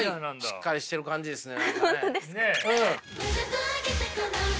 しっかりしてる感じですね。